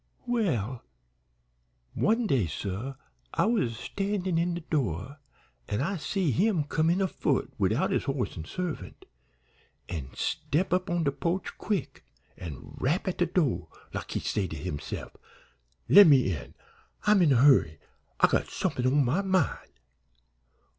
"Well, one day, suh, I was a standin' in de door an' I see him come in a foot, widout his horse an' servant, an' step up on de po'ch quick an' rap at de do', like he say to himse'f, 'Lemme in; I'm in a hurry; I got somethin' on my mind.'